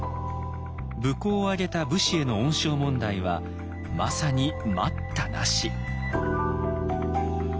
武功を挙げた武士への恩賞問題はまさに待ったなし。